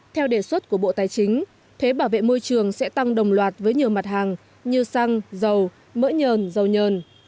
theo đề xuất của bộ tài chính thuế bảo vệ môi trường sẽ tăng đồng loạt với nhiều mặt hàng như xăng dầu mỡ nhờn dầu nhờn